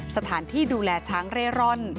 สถานที่ดูแลช้างเร่ร่อน